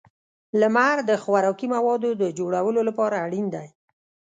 • لمر د خوراکي موادو د جوړولو لپاره اړین دی.